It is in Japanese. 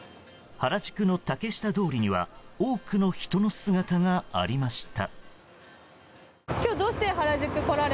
原宿の竹下通りには多くの人の姿がありました。